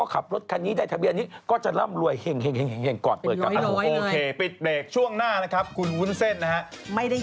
โอเคปิดเบรกช่วงหน้านะครับขุนวุ้นเจศนะฮะ